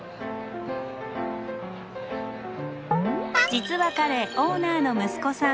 実は彼オーナーの息子さん。